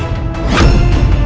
tidak mak ancestors